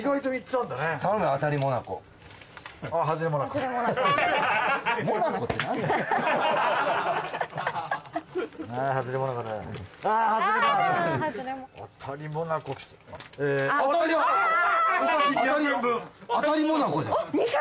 あたりもなこじゃん。